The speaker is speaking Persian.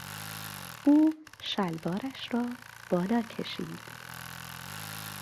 او شلوارش را بالا کشید.